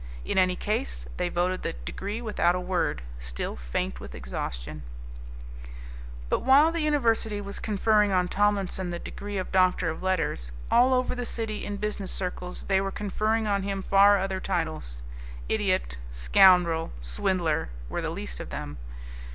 In any case, they voted the degree without a word, still faint with exhaustion. But while the university was conferring on Tomlinson the degree of Doctor of Letters, all over the City in business circles they were conferring on him far other titles. "Idiot," "Scoundrel," "Swindler," were the least of them.